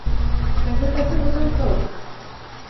Кәжәләрҙе үҙең ҡыу...